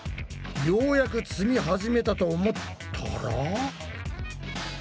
ようやく積み始めたと思ったら。